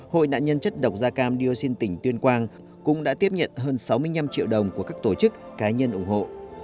hội nạn nhân chất độc da cam dioxin tỉnh tuyên quang cũng đã tiếp nhận hơn sáu mươi năm triệu đồng của các tổ chức cá nhân ủng hộ